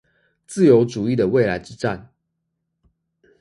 自由主義的未來之戰